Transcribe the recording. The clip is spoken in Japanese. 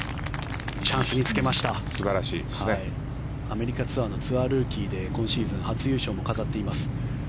アメリカツアーのツアールーキーで今シーズン初優勝も飾っています。